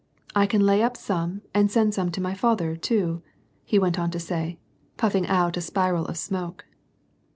I can lay up some and send some to my father, too/' he went on to say, puffing out a spiral of smoke.